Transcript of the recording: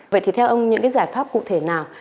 vậy thì theo ông những cái giải pháp cụ thể nào